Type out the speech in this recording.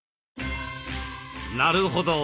なるほど。